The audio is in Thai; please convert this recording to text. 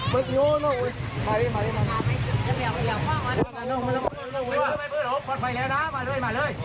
เบื่อหลงหลงปลอดภัยแล้วนะมาเลย